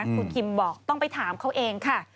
คุณคิมบอกต้องไปถามเขาเองค่ะ